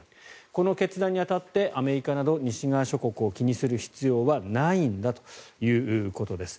この決断に当たってアメリカなど西側諸国を気にする必要はないんだということです。